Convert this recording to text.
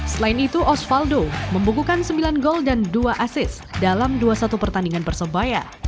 selain itu osvaldo membukukan sembilan gol dan dua asis dalam dua puluh satu pertandingan persebaya